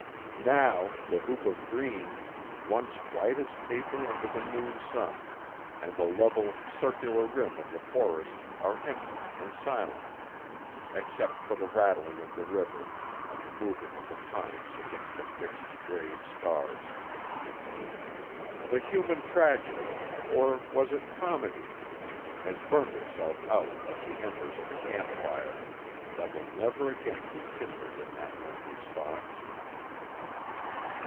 Now the hoop of green, once white as paper under the noon sun, and the level, circular rim of the forest are empty and silent except for the rattling of the river and the moving of the pines against the fixed, grave stars. The human tragedy or was it comedy? has burnt itself out like the embers of a camp fire that will never again be kindled in that lonely spot.